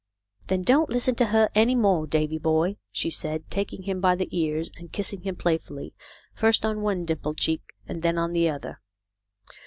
"Then don't listen to her any more, Davy boy," she said, taking him by the ears and kissing him playfully, first on one dimpled cheek and then on the other.